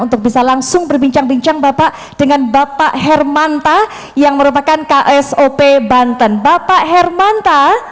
untuk bisa langsung berbincang bincang bapak dengan bapak hermanta yang merupakan ksop banten bapak hermanta